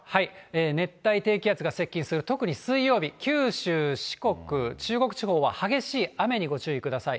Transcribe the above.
熱帯低気圧が接近する、特に水曜日、九州、四国、中国地方は激しい雨にご注意ください。